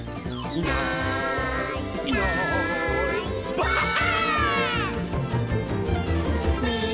「いないいないばあっ！」